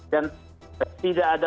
dan tidak ada